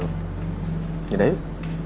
gak ada yuk